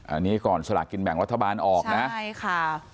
อันนี้ก่อนสลากกินแบ่งรัฐบาลออกนะใช่ค่ะ